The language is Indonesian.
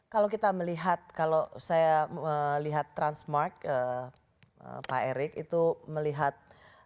kalau kita melihat kalau saya melihat transmart pak erik itu melihat